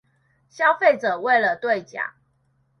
消費者為了對獎